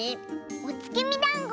おつきみだんご。